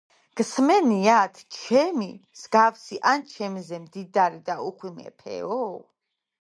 გსმენიათ, ჩემი მსგავსი ან ჩემზე მდიდარი და უხვი მეფეო.